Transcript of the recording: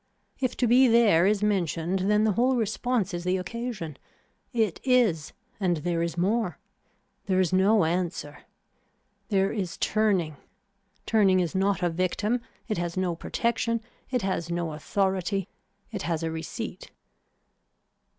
If to be there is mentioned then the whole response is the occasion. It is and there is more. There is no answer. There is turning. Turning is not a victim, it has no protection, it has no authority, it has a receipt.